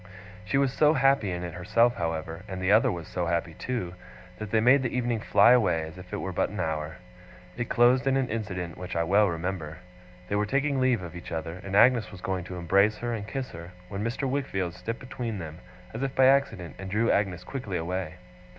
She was so happy in it herself, however, and the other was so happy too, that they made the evening fly away as if it were but an hour. It closed in an incident which I well remember. They were taking leave of each other, and Agnes was going to embrace her and kiss her, when Mr. Wickfield stepped between them, as if by accident, and drew Agnes quickly away.